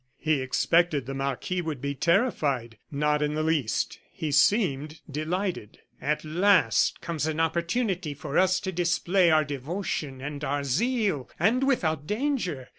He expected the marquis would be terrified; not in the least; he seemed delighted. "At last there comes an opportunity for us to display our devotion and our zeal and without danger!